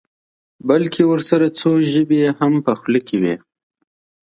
بلکې ورسره څو ژبې یې هم په خوله کې وي.